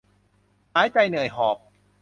หายใจเหนื่อยหอบ